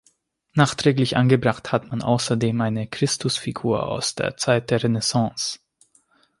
Nachträglich angebracht hat man außerdem eine Christusfigur aus der Zeit der Renaissance.